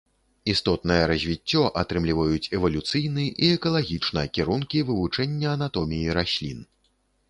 Істотнае развіццё атрымліваюць эвалюцыйны і экалагічна кірункі вывучэння анатоміі раслін.